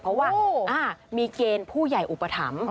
เพราะว่ามีเกณฑ์ผู้ใหญ่อุปถัมภ์